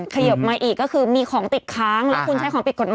ขยบมาอีกก็คือมีของติดค้างแล้วคุณใช้ของผิดกฎหมาย